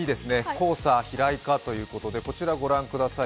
黄砂、飛来かということで、こちらをご覧ください。